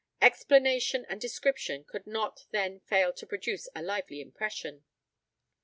Explanation and description could not then fail to produce a lively impression.